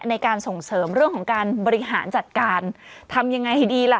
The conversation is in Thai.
ในการส่งเสริมเรื่องของการบริหารจัดการทำยังไงดีล่ะ